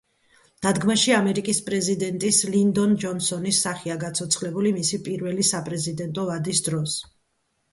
დადგმაში ამერიკის პრეზიდენტის ლინდონ ჯონსონის სახეა გაცოცხლებული მისი პირველი საპრეზიდენტო ვადის დროს.